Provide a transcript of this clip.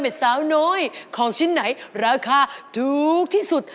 เป็นสาวน้อยของชิ้นไหนราคาถูกที่สุด